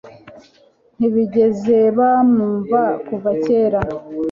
Ntibigeze bamwumva kuva kera